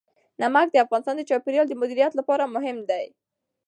نمک د افغانستان د چاپیریال د مدیریت لپاره مهم دي.